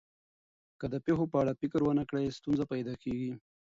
که د پېښو په اړه فکر ونه کړئ، ستونزه پیدا کېږي.